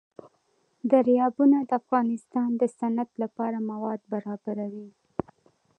دریابونه د افغانستان د صنعت لپاره مواد برابروي.